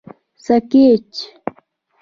سکیچ